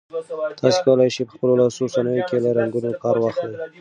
تاسي کولای شئ په خپلو لاسي صنایعو کې له رنګونو کار واخلئ.